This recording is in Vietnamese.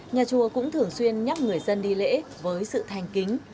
nhà chùa cũng thường xuyên nhắc người dân đi lễ với sự thành kính